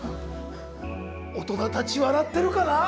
大人たち笑ってるかな？